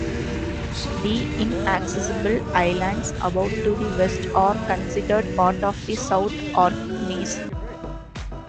The Inaccessible Islands about to the west are considered part of the South Orkneys.